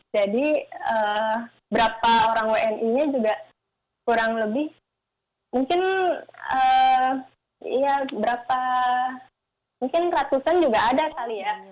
jadi berapa orang wni nya juga kurang lebih mungkin ya berapa mungkin ratusan juga ada kali ya